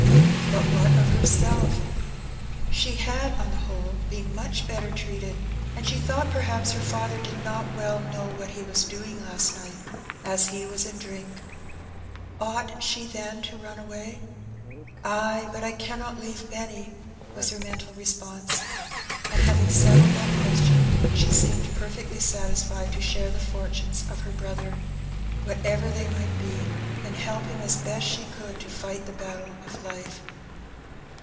But what of herself? She had on the whole been much better treated, and she thought perhaps, her father did not well know what he was doing last night, as he was in drink. Ought she then to run away? ''Ay, but I cannot leave Benny,^' was her mental response; and having settled that question, she seemed perfectly satis fied to share the fortunes of her brother, whatever they might be, and help him as best she could to fight the battle of life.